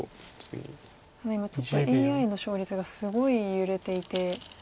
ただ今ちょっとＡＩの勝率がすごい揺れていて。